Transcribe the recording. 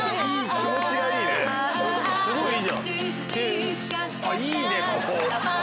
気持ちがいいね！